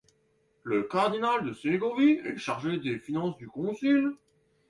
Le cardinal de Ségovie est chargé des finances du concile.